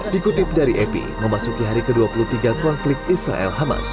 dikutip dari epi memasuki hari ke dua puluh tiga konflik israel hamas